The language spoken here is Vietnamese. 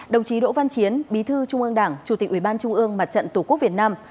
đồng chí đỗ văn chiến bí thư trung ương đảng chủ tịch ủy ban trung ương mặt trận tổ quốc việt nam